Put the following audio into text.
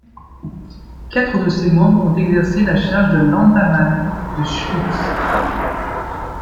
Quatre de ses membres ont exercé la charge de landamman de Schwytz.